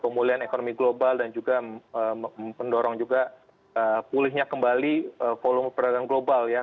pemulihan ekonomi global dan juga mendorong juga pulihnya kembali volume perdagangan global ya